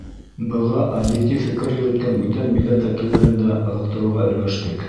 Быға объектив фекер йөрөткән бүтән милләт вәкилдәрен дә ылыҡтырыуға өлгәштек.